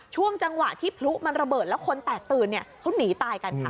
ช่วงจังหวะที่พลุมันระเบิดแล้วคนแตกตื่นเนี่ยเขาหนีตายกันค่ะ